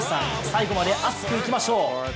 最後まで熱くいきましょう。